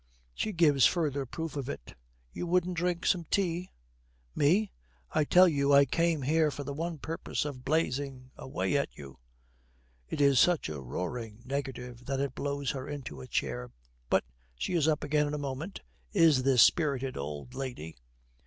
She gives further proof of it. 'You wouldn't drink some tea?' 'Me! I tell you I came here for the one purpose of blazing away at you.' It is such a roaring negative that it blows her into a chair. But she is up again in a moment, is this spirited old lady.